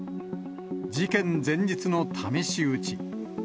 事件前日の試し撃ち。